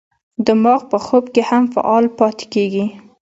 دماغ په خوب کې هم فعال پاتې کېږي.